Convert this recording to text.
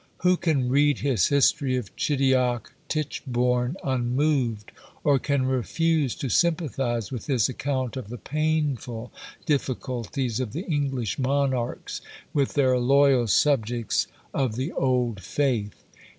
Who can read his history of Chidiock Titchbourne unmoved? or can refuse to sympathise with his account of the painful difficulties of the English Monarchs with their loyal subjects of the old faith?